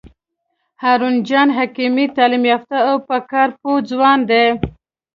هارون جان حکیمي تعلیم یافته او په کار پوه ځوان دی.